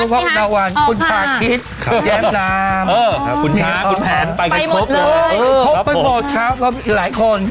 คุณฟ่องนวัลคุณตากิตแกงน้ำไปหมดเลย